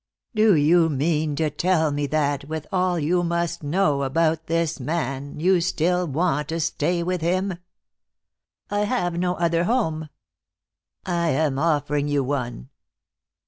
Do you mean to tell me that, with all you must know about this man, you still want to stay with him?" "I have no other home." "I am offering you one."